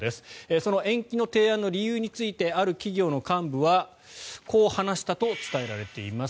その延期の提案の理由についてある企業の幹部はこう話したと伝えられています。